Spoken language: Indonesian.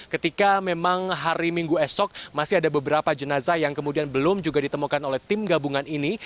ketika memang hari minggu esok masih ada beberapa jenazah yang kemudian belum juga ditemukan oleh tim gabungan ini